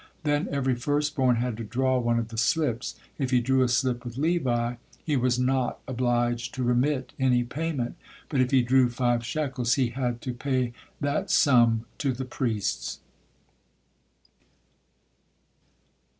Then every first born had to draw one of the slips. If he drew a slip with "Levi" he was not obliged to remit any payment, but if he drew "five shekels," he had to pay that sum to the priests.